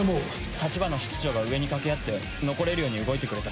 橘室長が上に掛け合って残れるように動いてくれた。